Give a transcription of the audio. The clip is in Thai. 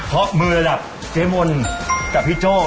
เพราะมือระดับเจ๊มนกับพี่โจ้